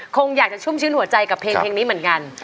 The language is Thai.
คงอยากจะชุ่มชื้นหัวใจกับเพลงนี้เหมือนกัน